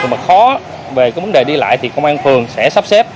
mà khó về cái vấn đề đi lại thì công an phường sẽ sắp xếp